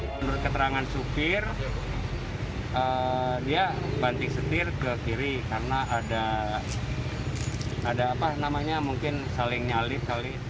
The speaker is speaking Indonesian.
menurut keterangan sopir dia banting setir ke kiri karena ada saling nyalit